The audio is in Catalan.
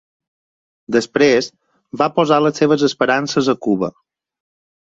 Després va posar les seves esperances a Cuba.